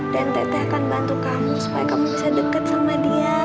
dan teteh akan membantu kamu supaya kamu bisa dekat sama dia